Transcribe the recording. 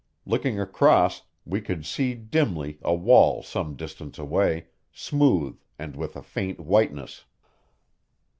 Looking across we could see dimly a wall some distance away, smooth and with a faint whiteness.